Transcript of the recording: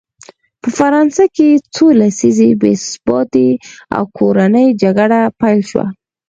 په فرانسه کې څو لسیزې بې ثباتي او کورنۍ جګړه پیل شوه.